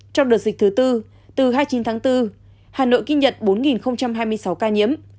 trong đợt dịch thứ tư từ hai mươi chín tháng bốn hà nội ghi nhận bốn hai mươi sáu ca nhiễm